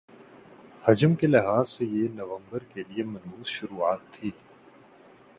حجم کے لحاظ سے یہ نومبر کے لیے منحوس شروعات تھِی